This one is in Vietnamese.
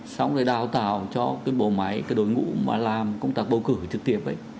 xong rồi đào tạo cho cái bộ máy cái đội ngũ mà làm công tác bầu cử trực tiếp ấy